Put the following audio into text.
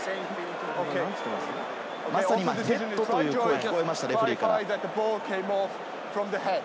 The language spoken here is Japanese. ヘッドという声が聞こえました、レフェリーから。